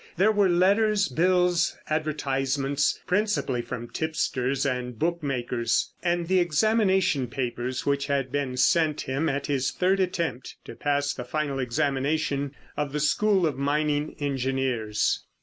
There were letters, bills, advertisements—principally from tipsters and bookmakers—and the examination papers which had been set him at his third attempt to pass the final examination of the School of Mining Engineers.